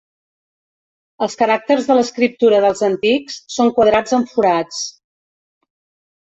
Els caràcters de l'escriptura dels antics són quadrats amb forats.